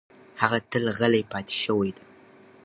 هغه تل غلې پاتې شوې ده.